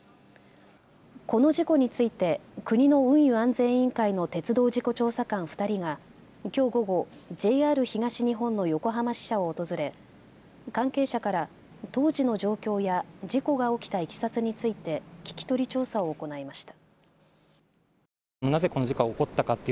この事故について国の運輸安全委員会の鉄道事故調査官２人がきょう午後、ＪＲ東日本の横浜支社を訪れ関係者から当時の状況や事故が起きたいきさつについて聞き取り調査を行いました。